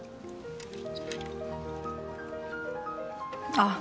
あっ。